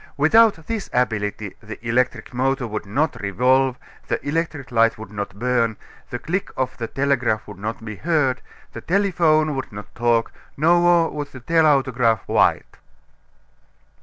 Without this ability the electric motor would not revolve, the electric light would not burn, the click of the telegraph would not be heard, the telephone would not talk, nor would the telautograph write.